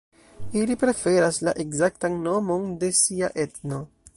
Ili preferas la ekzaktan nomon de sia etno.